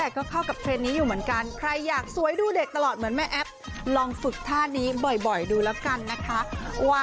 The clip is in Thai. ก็เข้ากับเทรนด์นี้อยู่เหมือนกันใครอยากสวยดูเด็กตลอดเหมือนแม่แอ๊บลองฝึกท่านี้บ่อยดูแล้วกันนะคะ